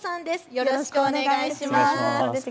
よろしくお願いします。